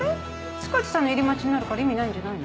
塚地さんの入り待ちになるから意味ないんじゃないの？